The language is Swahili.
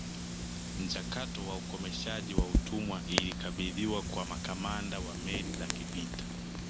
Mchakato wa ukomeshaji wa utumwa ilikabidhiwa kwa makamanda wa meli za kivita